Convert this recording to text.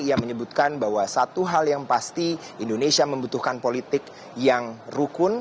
ia menyebutkan bahwa satu hal yang pasti indonesia membutuhkan politik yang rukun